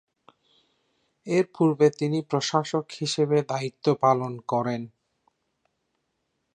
এরপূর্বে তিনি প্রশাসক হিসেবে দায়িত্ব পালন করেন।